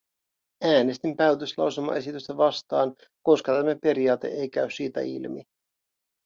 Äänestin päätöslauselmaesitystä vastaan, koska tämä periaate ei käy siitä ilmi.